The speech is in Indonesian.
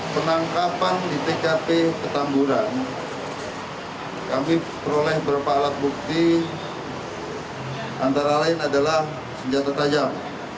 penangkapan di tkp petamburan kami peroleh beberapa alat bukti antara lain adalah senjata tajam